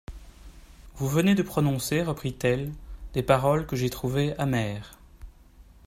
Vous venez de prononcer, reprit-elle, des paroles que j'ai trouvées amères.